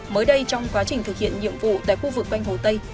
mới đây trong quá trình thực hiện nhiệm vụ tại khu vực quanh hồ tây